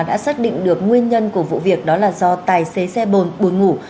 đã xác định được nguyên nhân của vụ việc đó là do tài xế xe buồn ngủ